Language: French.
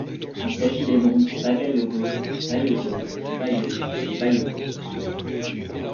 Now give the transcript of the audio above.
Il s’agit des noms Bagayogo, Bayogo, Bayo et Bayoko.